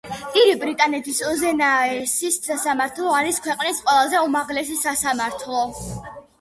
დიდი ბრიტანეთის უზენაესი სასამართლო არის ქვეყნის ყველაზე უმაღლესი სასამართლო.